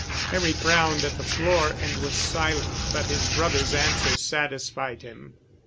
Harry frowned at the floor, and was silent, but his brother's answer satisfied him.